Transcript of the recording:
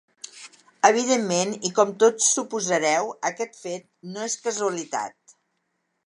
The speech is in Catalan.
Evidentment i com tots suposareu, aquest fet no és casualitat.